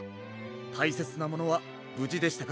たいせつなものはぶじでしたか？